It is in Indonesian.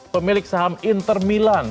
pemilik saham inter milan